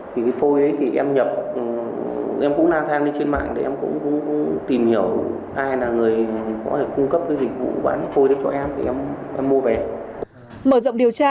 thì cái phôi ấy thì em nhập em cũng la thang lên trên mạng để em cũng tìm hiểu ai là người có thể cung cấp cái dịch vụ bán phôi đấy cho em thì em mua về